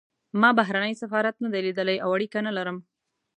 ما بهرنی سفارت نه دی لیدلی او اړیکه نه لرم.